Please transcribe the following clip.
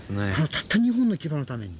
たった２本の牙のために？